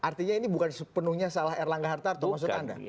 artinya ini bukan sepenuhnya salah erlangga hartarto maksud anda